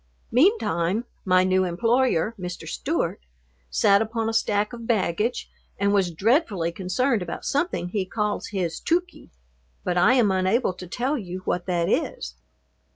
Meantime my new employer, Mr. Stewart, sat upon a stack of baggage and was dreadfully concerned about something he calls his "Tookie," but I am unable to tell you what that is.